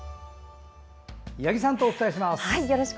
八木さんとお伝えします。